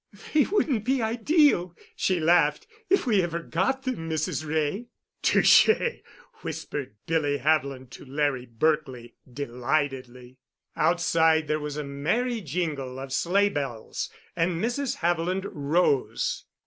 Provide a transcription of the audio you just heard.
"They wouldn't be ideal," she laughed, "if we ever got them, Mrs. Wray." "Touchée," whispered Billy Haviland to Larry Berkely, delightedly. Outside there was a merry jingle of sleighbells, and Mrs. Haviland rose.